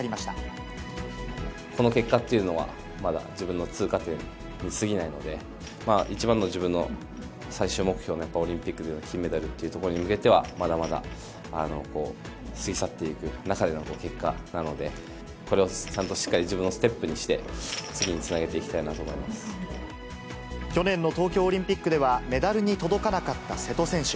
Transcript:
この結果というのは、まだ自分の通過点にすぎないので、一番の自分の最終目標はやっぱりオリンピックの金メダルというところに向けては、まだまだ過ぎ去っていく中での結果なので、これをしっかり自分のステップにして次につなげていきたいなと思去年の東京オリンピックでは、メダルに届かなかった瀬戸選手。